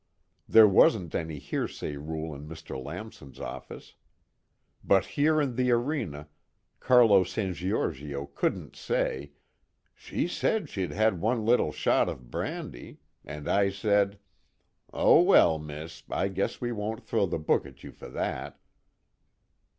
There wasn't any hearsay rule in Mr. Lamson's office. But here in the arena, Carlo San Giorgio couldn't say: "_She said she'd had one little shot of brandy. And I said: 'Oh well, Miss, I guess we won't throw the book at you for that.'